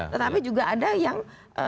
tetapi juga ada yang